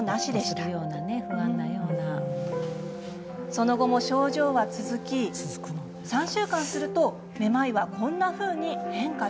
その後も症状は続き３週間するとめまいはこんなふうに変化しました。